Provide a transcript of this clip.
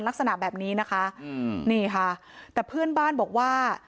ลักษณะแบบนี้นะคะอืมนี่ค่ะแต่เพื่อนบ้านบอกว่า